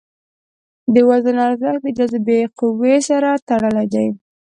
د وزن ارزښت د جاذبې قوې سره تړلی دی.